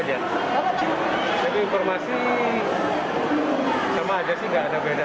tapi informasi sama saja sih tidak ada beda